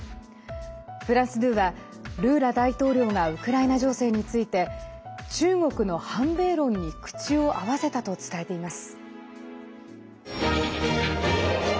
フランス２はルーラ大統領がウクライナ情勢について中国の反米論に口を合わせたと伝えています。